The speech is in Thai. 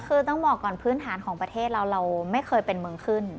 คือต้องบอกก่อนพื้นฐานของประเทศเราเราไม่เคยเป็นเมืองขึ้น